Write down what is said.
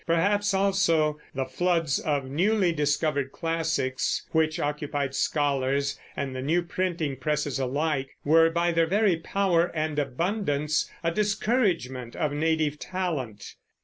Perhaps, also, the floods of newly discovered classics, which occupied scholars and the new printing presses alike, were by their very power and abundance a discouragement of native talent.